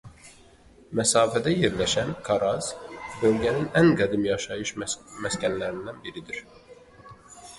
Məsafədə yerləşən "Karaz" bölgənin ən qədim yaşayış məskənlərindən biridir.